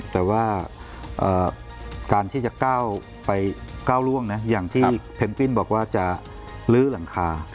แต่ว่าการที่จะก้าวไปก้าวล่วงนะอย่างที่เพนกวินบอกว่าจะลื้อหลังคา